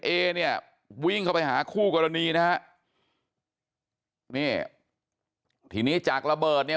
เอเนี่ยวิ่งเข้าไปหาคู่กรณีนะฮะนี่ทีนี้จากระเบิดเนี่ย